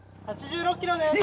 ８６キロです。